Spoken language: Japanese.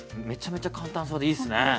めちゃめちゃ簡単そうでいいっすね。